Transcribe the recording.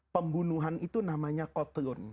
pembunuhan itu namanya qotlun